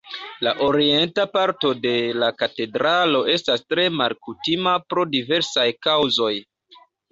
La orienta parto de la katedralo estas tre malkutima pro diversaj kaŭzoj.